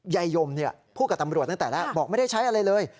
ยายยมเนี่ยพูดกับตำรวจตั้งแต่แล้วบอกไม่ได้ใช้อะไรเลย